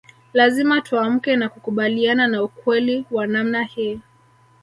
Lazima tuamke na kukubaliana na ukweli wa namna hii